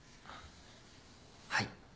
はい。